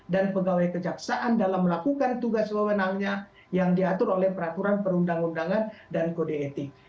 dan pegawai kejaksaan dalam melakukan tugas pemenangnya yang diatur oleh peraturan perundang undangan dan kode etik